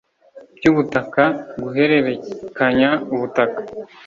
by ubutaka guhererekanya ubutaka